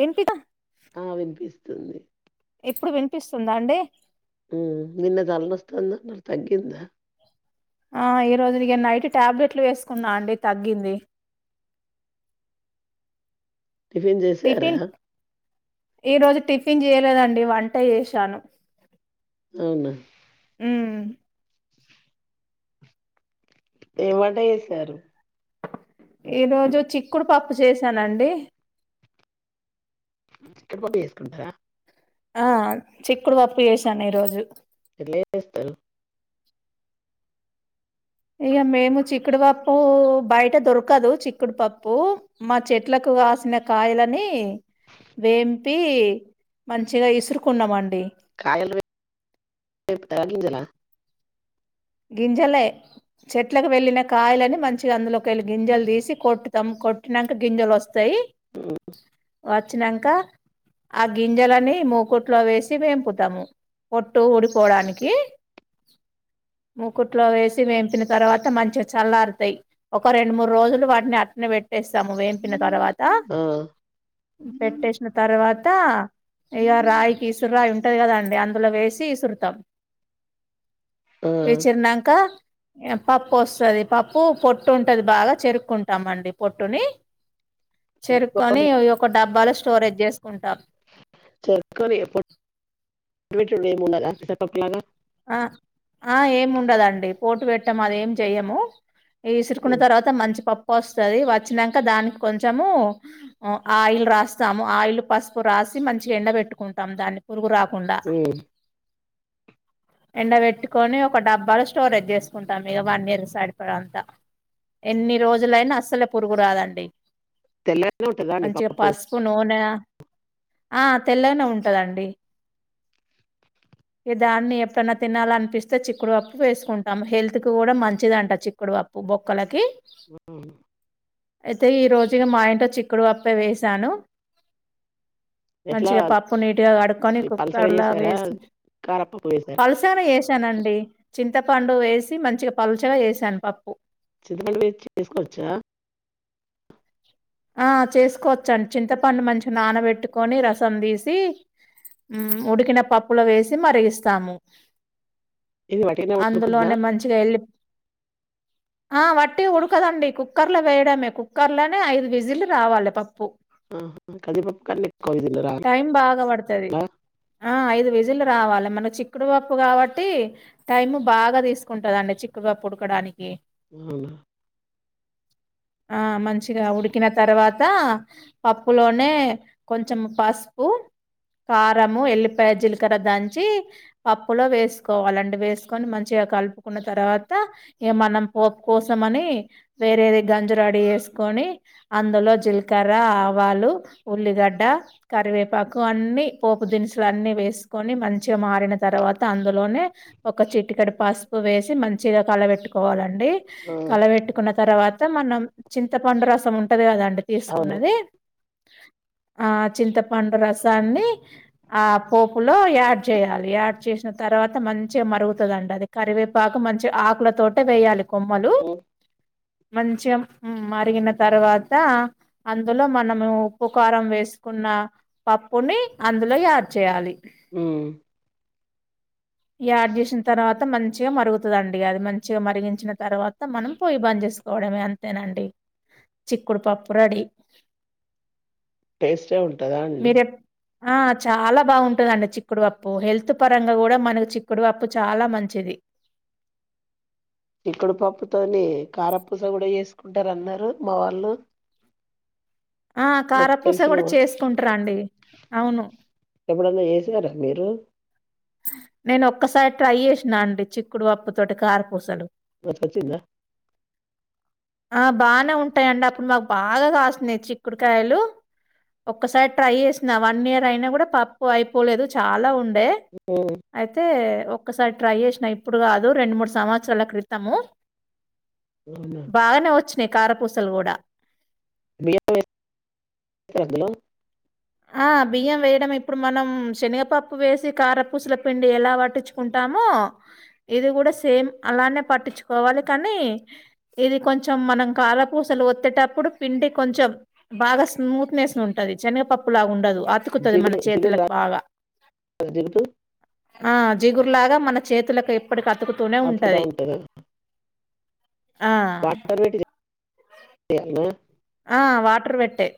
వినిపిద ఆ వినిపిస్తుంది ఇప్పుడు వినిపిస్తుందా అండి ఉ నిన్నది తలనొస్తానంది అన్నర్ తగ్గిందా ఆ ఈ రోజుక నైట్ టాబ్లెట్లు వేసుకున్నా అండి తగ్గింది టిఫిన్ చేసారా టిఫిన్ ఏ రోజు టిఫన్ టిఫిన్ చేయలేదండి వంట చేసాను అవునా ఉం ఏం వంట చేసారు ఈ రోజు చిక్కుడు పప్పు చేసానండి చిక్కుడు పప్పు చేసుకుంటారా ఆ చిక్కుడు పప్పు చేశాను ఈ రోజు ఎట్ల చేస్తారు ఇక మేము చిక్కుడుపప్పు బయట దొరకదు చిక్కుడుపప్పు మా చెట్లకు కాసిన కాయలని వేంపి మంచిగా ఇసురుకున్నామ కాయలు గింజల గింజలే చెట్లకు వెళ్ళిన కాయలని మంచిగా అందులోకి వెళ్ళి గింజలు తీసి కొటుతాము కొట్టినాక గింజలు వస్త స్తయి హ్మ్. వచ్చినంక ఆ గింజలని మూకుట్లో వేసి వేంపుతాము పొట్టు ఊడిపోవడానికి మూకుట్లో వేసి వేంపిన తర్వాత మంచిగా చల్లారుతాయి ఒక రెండు మూడు రోజులు వాటిని అట్నే పెట్ పెట్టేస్తాము వేంపిన తర్వాత ఆ పెట్టేసిన తర్వాత త ఇగ రాయి ఇసురాయి ఉంట ఉంటంది కదాండి అందులో వేసి ఇసురుతాం ఆ విచరనంకా పప్పు వస్తది పప్పు పొట్టు ఉంటది బాగా చెరుక్కుంటామండి పొట్టుని చెరుకొని ఒక డబ్బాల స్టోరేజ్ చేసుకుంటాం చెరుక్కొని ఎప్పుడు పెసరు పప్పు లాగా ఆ ఆ ఏమి ఉండదండి పోటు పెట్టము అద ఏం చెయ్యము ఇసురుకున్న హ్మ్ తర్వాత మంచి పప్పు వస్తది వచ్చాక దానికి కొంచెము ఆయిల్ రాస్తాము ఆయిల్ పసుపు రాసి మంచిగా ఎండ పెట్టుకుంటాము దాన్ని పురుగు రా కుండా హ్మ్. ఎండ పెట్టుకొని ఒక డబ్బాలు స్టోరేజ్ చేసుకుంటాం ఇక వన్ ఇయర్ సడిపో అంతా ఎన్ని రోజులైనా అస్సలే పురుగు రాదండి తెల్లగానే ఉంటదా అండి మంచిగా పప్పు పసుపు నూనె ఆ తెల్లనే ఉంటదండి దాన్ని ఎప్పుడైన్నా తినాల అనిపిస్తే చిక్కుడుపప్పు వేసుకుంటాము హెల్త్కి కూడా మంచిదంట చిక్కుడుపప్పు బొక్కలకి ఆ అయితే ఈ రోజుగా మా ఇట్ చిక్కుడు పప్పా వేసాను ఎట్లా మంచిగా అది పప్పు నీట్గా కడుక్కొని పలసగా కుక్కర్లా చేసారా వేసి కారపప్పు వేసారా పలసను వేసానండి చింతపండు వేసి మంచిగా పల్చగా చేసాను పప్పు చిత్రపండ వచ్చి చేసుకోవచ్చా ఆ చేసుకోవచ్చండి చింతపండు మంచిగా నానబెట్టుకొని రసం తీసి ఉడికిన పప్పులు వేసి మరిగిస్తాము ఇది వట్టిగనే ఉడుకుద్దా అందులోనే మంచిగా వెళ్ళి ఆ వట్టి ఉడకదండి కుక్కర్ లో వేయడమే కుక్కర్ లోనే ఐదు విిజిలు రావాలి పప్పు ఆ కదిీప కలికో ఇదిన్న రామ్ టైం రావాలి మనకి చిక్కుడుపప్పు కాబట్టి టైము బాగా తీసుకుంటదండి చిక్కుడుపప్పు ఉడకడానికి అవునా ఆ మంచిగా ఉడి ఉకిన తర్వాత పప్పులోనే కొంచెం పసుపు కారంము ఎల్లిపాయ జీలకర్ర దంచి పప్పులో వేసుకోవాలి అండి వేసుకొని మంచిగా కలుపుకున్న తర్వాత ఇక మనం పోపు కోసమని వేరేది గంజ రడి చేేసుకొని అందులో జీలకర్ర ఆవాలు ఉల్లిగడ్డ కరివేపాకు అన్నీ పోపు దినుసులు అన్నీ వేసుకొని మంచిగా మారిన తర్వాత అందులోనే ఒక చిట్టికడి పసుపు వేసి మంచిగా కలబెట్టుకోవాలండి అ ఆ కలబెట్టుకున్న తర్వాత మనం చింత పండు రసం ఉంట టది కథ అడ అవును తీసుకున్నది ఆ చింతపండు రసాన్ని ఆ పోపులో యాడ్ చేయాలి యాడ్ చేసిన తర్వాత మంచిగా మరుగుతుందండి అది కరివేపాకు మంచిగా ఆకుల తోటే వేయ్యాలి కొమలు ఉమ్ మంచిగా మరిగిన తర్వాత అందులో మనము ఉప్పు కారం వేసుకున్న పప్పుని అందులో యాడ్ చేయాలి ఉమ్, యాడ్ చేసిన తర్వాత మంచిగా మరుగుతుందిండి అది మంచిగా మరిగించిన తర్వాత మనం పొ్యి బంద్ చేసుకోవడమే అంతేనండి చిక్కుడు పప్పు రడి టేస్టే ఉంటందా అండి ఆ చాలా బాగుంటుందండి చిక్కుడుపప్పు హెల్త్ పరంగా కూడా మనకు చిక్కుడుపప్పు చాలా మంచిది చికుడు పప్పుతోనే కారపూస కూడా చేసుకుంటారు అన్నారు మా వాళ్ళు ఆ మాకు కారపూస తెలిసిన కూడా వాళ్ళు చేసుకుంటారండి అవును ఎప్పుడన్నా చేసారా మీరు నేను ఒక్కసారి ట్రై చేసినా అండి చిక్కుడు పప్పు తోటి కారపూసలు మ వచ్చిందా ఆ బానే ఉంటాయిండి అప్పుడు మాకు బాగా కాస్తున్నాయి చిక్కుడుకాయలు ఒక్కసారి ట్రై చేసిన వన్ ఇయర్ అయినా కూడా పప్పు అయిపోలేదు చాలా ఉండేది ఉమ్, అయితే ఒక్కసారి ట్రై చేసిన ఇప్పుడు కాదు రెండు మూడు సంవత్సరాల క్రితము అవునా బాగానేవ వచ్చు స్ని కారపూసలు కూడ [unintelligible] ఆ బియ్యం వేయడం ఇప్పుడు మనం శనగపప్పు వేసి కారపూసల పిండి ఎలా పట్టించుకుంటామో, ఇది కూడా సేమ్ అలానే పట్టించుకోవాలి కానీ, ఇది కొంచెం మనం కారపూసలు ఒత్తేటప్పుడు పిండి కొంచెం బాగా స్మూత్నెస్ ఉంటుంది శనగపప్పు లా ఉండదు తుకుతుంది మన జిగురు జిగురు రా చేతులకు బాగా జిగురు జిగుర్లాగా మన చేతులకు ఎప్పటికి అతుకుతూనే ఉంటది. ఆ! [unintelligible] ఆ వాటర్ పెట్టే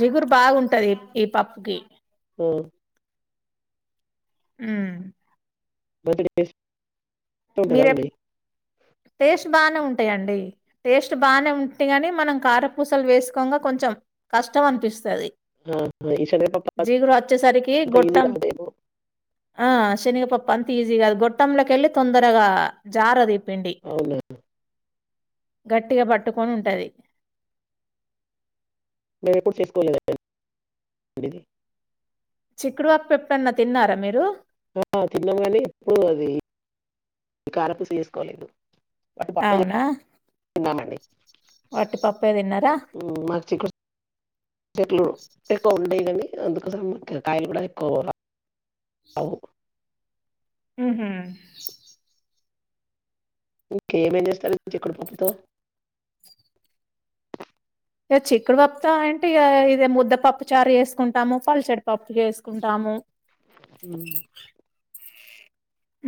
జిగురు బాగుంటది ఈ పప్పుకి పో హ్మ్ బర్త్డే స్ మీర ఎప టేస్ట్ బానే ఉం ఉంటాయండి టేస్ట్ బాగానే ఉంటే గాని మనం కారపూసలు వేసుకోగా కొంచెం కష్టం అనిపిస్తుంది ఆ ఈ శనగపప్పు జీగురు వచ్చేసరికి అంత ఈజీ గొట్టం కాదేమో ఆ శనిగ ప అంత ఈజీగాదు గొట్టమ్ంలో కివెళ్ళ తే తొందరగా జార దీప్ భిండి అవునా గట్టిగా పట్టుకొని ఉంటది మేపు [unintelligible] చిక్కుడువాప్పు ఎప్పున్నా తిన్నారా మీరు ఆ తిన్నాగానే ఎప్పుడు అది కాలపుసి చేసుకోలే బట్ పాపే తన్నామండి వాటి పప్పే తిన్నారా ఉమ్, మాకు చిక్కుడు చెట్లు ఎక్కువ ఉండయి కానీ అందుకోస మకు కాయలు కూడా ఎక్కువ రావు మ్ హు ఓకే ఏమే తలచ ఇక్కడ పప్పుతో ఇ చిక్కుడుపప్పు అంటే ఇ ఇద ముద్దపప్పు చారు చేసుకుంటాము, పలసెడి పప్పు చేసుకుంటాము మ్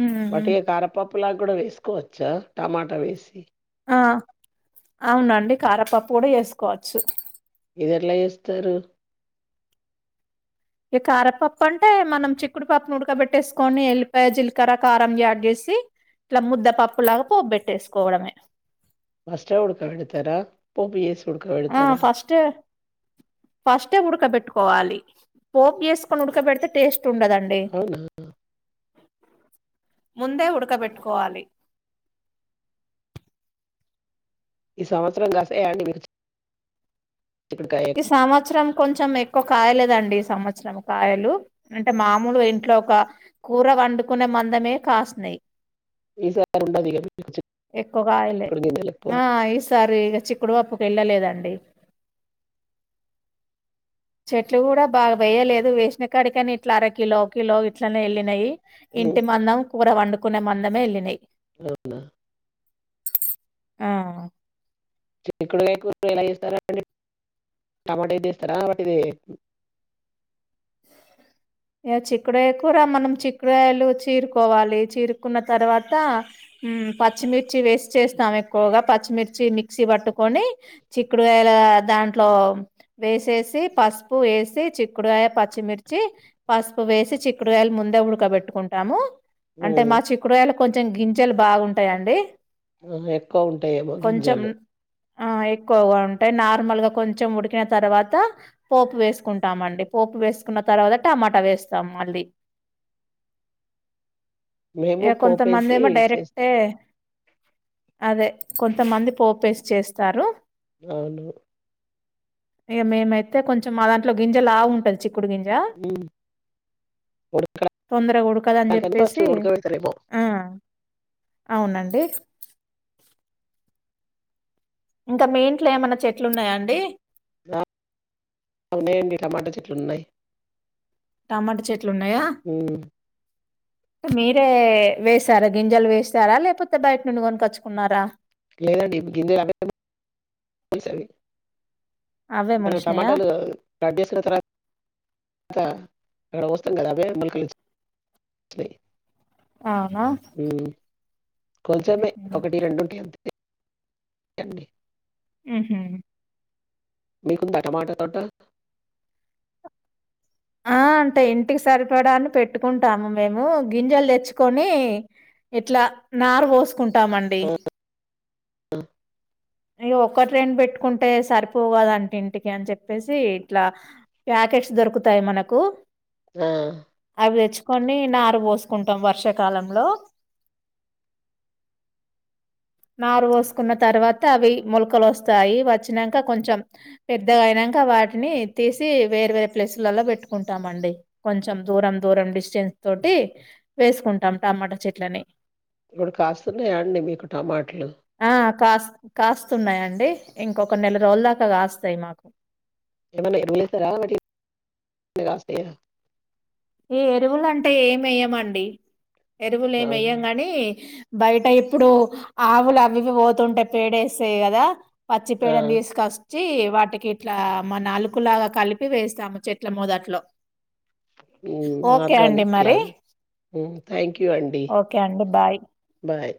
ఉమ్ పటి కారపప్ పప్పులాగ కూడా వేసుకోవచ్చా టమాటా వేసి ఆ అవునండి కారపప్పు కూడా వేసుకోవచ్చు ఇదిలా చేస్తారు ఇక కారపప్పు అంటే మనం చిక్కుడుపప్పును ఉడకబెట్టేసుకొని, ఎల్లిపాయ జీలకర కారం యాడ్ చేసి, ఇట్లా ముద్దపప్పు లాగా పోప్ట్టేసుకోవడమే ఫస్ట్లో ఉడుకబెడతారా పోప్ చే ఆ ఫస్ట్ ఫస్ట్ ఉడ్కబట్ కోవాలి పోపు చేసుకొని ఉడకబడితే టేస్ట్ ండదండి అవునా ముందే ఉడకబెట్టుకోవాలి ఈ సంవత్సరం కాసే అండి మీరు ఈ సంవత్సరం కొంచెం ఎ కాయలేదండి ఈ సంవత్సరం కాయలు అంటే మామూలు ఇంట్లో ఒక కూర వండుకునే మందమే కాస్తున్నాయి ఈసారి ఉండదు ఇక మీకు ఎక్కువ కాయలే చిక్కుడు గింజలు ఎక్కువ ఆ ఈసారి చిక్కుడు అప్పుకు వెళ్ళలేదండి చెట్లు కూడా బాగా వేయలేదు వేసిన కాడికని ఇట్లా అర కిలో కిలో ఇట్లనే వెళ్ళినయి ఉమ్, ఇంటి మందం కూర వండుకు కునే మందమ వెళ్ళినాయి అవునా ఆ చిక్కుడుకాయ కూర ఎలా చేస్తారా టమాటా ఇది చేస్తారా ఇది ఇక చిక్కుడుయ కూడా మనం చిక్కుడుయలు చీరుకోవాలి చీరుకున్న తర్వాత పచ్చిమిర్చి వేసి చేస్తాం ఎక్కువగా పచ్చిమిర్చి మిక్సీ పట్టుకొని చిక్కుడుకాయల దాంట్లో వేసేసి పసుపు వేసి చిక్కుడుకాయ పచ్చిమిర్చి పసుపు వేసి చిక్కుడుగాయలు ముందే ఉడకబెట్టుకుంటాము అంటే హ్మ్. మా చిక్కురుయలు కొంచెం గింజలు బాగుంటాయండి ఎక్కువ ఉంటాయేమో గింజాలు ఆ ఎక్కువగా ఉంటాయి నార్మల్గా కొంచెం ఉడికిన తర్వాత పోపు వేసుకుంటామండి పోపు వేసుకున్న తర్వాత టమాట వేస్తాం మళ్ళీ మేము ఇక కొంతమంది పోపేసి ఏమో చేస్తాం. డైరెక్టే అదే కొంతమంది పోపేసి చేస్తారు అవును ఇక మేమైతే కొంచెం మా దాంట్లో గింజ లాగా ఉంటంది చిక్ కుడుకుంంచా హ్మ్. తొందర కొడుకదని ఉడకడానికని ఫస్ట్ చెప్పేసి ఉడకబెడతారేమో. ఆ అవునండి అ ఇంకా మీ ఇంట్లో ఏమన్నా చెట్లు ఉన్నాయా అండి ఉన్నాయండి టమాటా చెట్లు ఉన్నాయి టమాట చెట్ అట్లున్నాయా మీరే వేస్తారా గింజలు వేస్తారా లేకపోతే బయట నుండి కొనుకొచ్చుకున్నారా లేదండింద సడి అవే మన మొలిచినాయా టమాటాలు కడసుిన త అత అక్కడ వస్తాం కదా అభే మల్క అనా కొంచెమే ఒకటి రెండుంటి అంతే ఎడి ఆహమ్ మీకుంతా టమాట తట ఆ అంటే ఇంటికి సరిపడాన్ని పెట్టుకుంటాము మేము గింజలు తెచ్చుకొని ఇట్లా నార్ పోసు కుంటామండి ఆ! ఇ ఒక్క ట్రైన్ పెట్టుకుంటే సరిపో కదంటే ఇంటికి అని చెప్పేసి ఇట్లా ప్యాకెట్స్ దొరుకుత వతాయి మనకు ఆ తెచ్చుకని న పోసుకుంటాం వర్షాకాలంలో నారు పోసుకున్న తర్వాత అవి మొలకలు వస్తాయి వచ్చాక కొంచెం పెద్దగా అయినాక వాటిని తీసి వేరే వేరే ప్లేసులలో పెట్టుకుంటామ అండి కొంచెం దూరం దూరం డిస్టెన్స్ తోటి వేసుకుంటాం టమాటా చెట్లని ఇప్పుడు కాస్తున్నాయాండి మీకు టమాటలు? ఆ కాస్ కాస్తున్నాయండి ఇంకొక నెల రోజు దాకా కాస్తాయి మాకు ఏన్నా ఎరుమ స రాటి కాశ ఈ ఎరువులంటే ఏమిేయమండి ఎరువులు అవునా! ఏమయ్యాం గాని బయట ఇప్పుడు ఆవులు అవివి పోతుంటేయి పేడేస్తాయి కదా పచ్చి ఆ! పేడిని వసి కష్టం వచ్చి వాటికి ఇట్లా మన అలుకులాగా కలిపి వేస్తాము చెట్ల మొదట్లో ఓకే అండి మరి మార్గానిక్లాగా థ్యాంక్ యూ అంటడి ఓకే అండి బాయ్ బాయ్